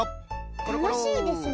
たのしいですね。